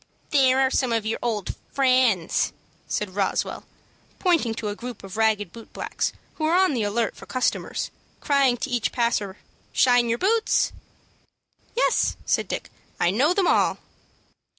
"There are some of your old friends," said Roswell, pointing to a group of ragged boot blacks, who were on the alert for customers, crying to each passer, "Shine yer boots?" "Yes," said Dick, "I know them all."